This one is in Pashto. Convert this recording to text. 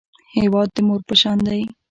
هېواد د مور په شان دی